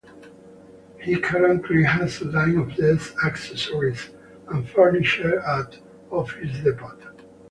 He currently has a line of desk accessories and furniture at Office Depot.